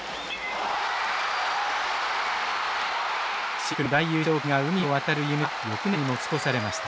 深紅の大優勝旗が海を渡る夢は翌年に持ち越されました。